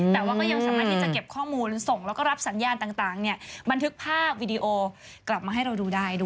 แต่ว่ามันยังสามารถเก็บข้อมูลส่งและรับสัญญาณบันทึกภาพกลับมาให้ดูได้